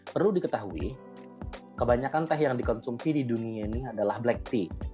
perlu diketahui kebanyakan teh yang dikonsumsi di dunia ini adalah black tea